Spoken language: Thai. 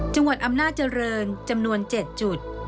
จังหวัดอำนาจเจริญจำนวน๗จุด